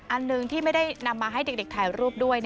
อันหนึ่งที่ไม่ได้นำมาให้เด็กถ่ายรูปด้วย